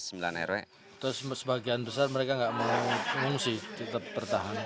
terus sebagian besar mereka nggak mau mengungsi tetap bertahan